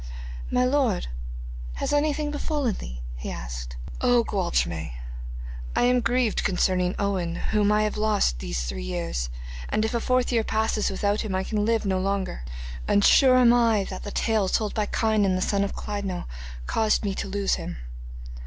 'My lord, has anything befallen thee?' he asked. 'Oh, Gwalchmai, I am grieved concerning Owen, whom I have lost these three years, and if a fourth year passes without him I can live no longer. And sure am I that the tale told by Kynon the son of Clydno caused me to lose him.